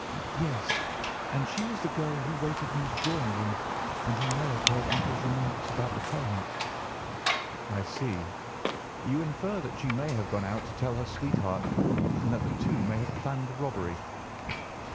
"Yes, and she was the girl who waited in the drawing room, and who may have heard uncle's remarks about the coronet." "I see. You infer that she may have gone out to tell her sweetheart, and that the two may have planned the robbery."